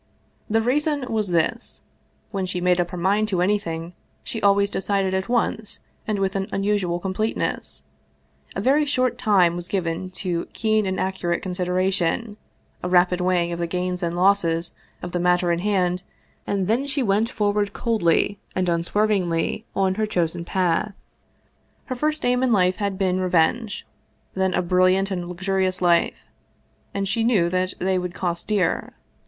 The reason was this : When she made up her mind to anything, she al ways decided at once and with unusual completeness ; a very short time given to keen and accurate consideration, a rapid weighing of the gains and losses of the matter in hand, and then she went forward coldly and unswervingly on her chosen path. Her first aim in life had been revenge, then a brilliant and luxurious life and she knew that they would cost dear.